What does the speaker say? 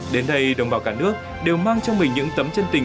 đến đây đồng bào cả nước đều mang trong mình những tấm chân tình